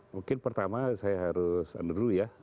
mungkin pertama saya harus undur dulu ya